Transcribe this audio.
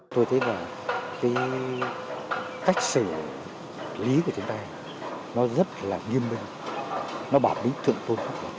tôi thấy là cái cách xử lý của chúng ta nó rất là nghiêm minh nó bảo bí thượng tôn pháp